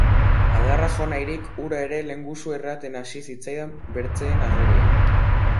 Adarra jo nahirik, hura ere lehengusu erraten hasi zitzaidan bertzeen agerian.